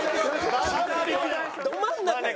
ど真ん中よ。